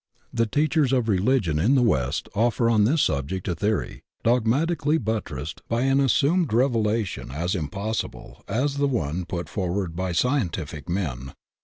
The teachers of religion in the West offer on this subject a theory, dogmatically buttressed by an as sumed revelation as impossible as the one put forward by scientific men.